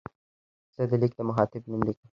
زه د لیک د مخاطب نوم لیکم.